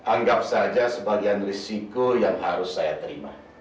anggap saja sebagian risiko yang harus saya terima